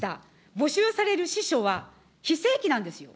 募集される司書は、非正規なんですよ。